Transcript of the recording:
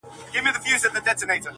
ټول د فرنګ له ربابونو سره لوبي کوي-